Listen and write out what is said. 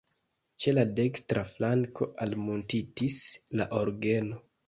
Ĉe la dekstra flanko almuntitis la orgeno.